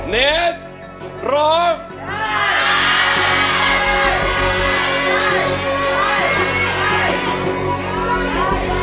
เนสร้อง